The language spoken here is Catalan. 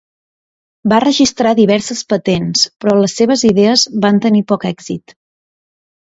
Va registrar diverses patents, però les seves idees van tenir poc èxit.